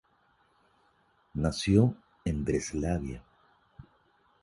Nació en Breslavia.